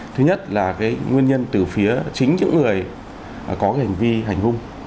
thứ nhất là cái nguyên nhân từ phía chính những người có cái hành vi hành hung